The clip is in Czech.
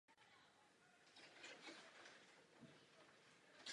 Pro mne je důležitý výsledek.